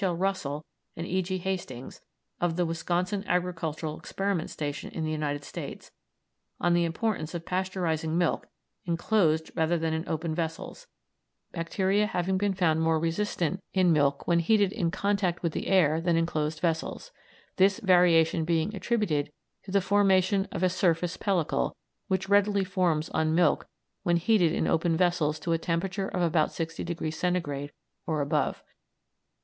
L. Russell and E. G. Hastings, of the Wisconsin Agricultural Experiment Station in the United States, on the importance of Pasteurising milk in closed rather than in open vessels, bacteria having been found more resistant in milk when heated in contact with the air than in closed vessels, this variation being attributed to the formation of a surface pellicle, which readily forms on milk when heated in open vessels to a temperature of about 60° Centigrade or above.